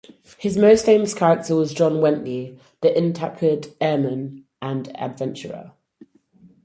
His most famous character was John Wentley, the intrepid airman and adventurer.